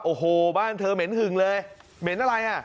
โอ้โหบ้านเธอเหม็นหึงเลยเหม็นอะไรอ่ะ